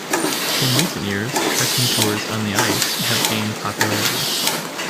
In recent years, trekking tours on the ice have gained popularity.